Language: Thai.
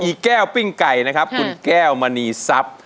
อีแก้วปิ้งไก่นะครับคุณแก้วมณีซับ